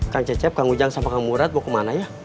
kang cecep kang ujang sama kang murad mau kemana ya